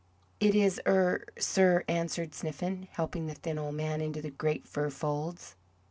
"It is 'ere, sir," answered Sniffen, helping the thin old man into the great fur folds.